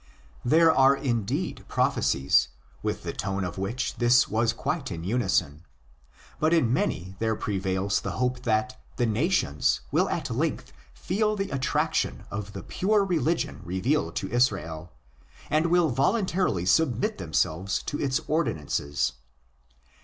There are indeed prophecies with the tone of which this was quite in unison; but in many there prevails the hope that '' the nations "' will at length feel the attrac tion of the pure religion revealed to Israel, and will voluntarily submit themselves to its ordinances.